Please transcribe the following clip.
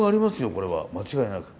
これは間違いなく。